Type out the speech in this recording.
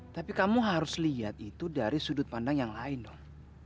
tapi kamu harus lihat itu dari sudut pandang yang lain dong